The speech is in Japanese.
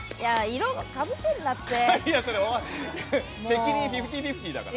色、かぶせんなって！